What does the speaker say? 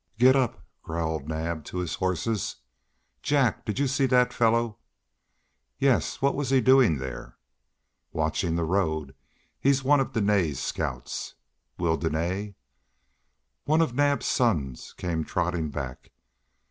"Getup," growled Naab to his horses. "Jack, did you see that fellow?" "Yes. What was he doing there?" "Watching the road. He's one of Dene's scouts." "Will Dene " One of Naab's sons came trotting back.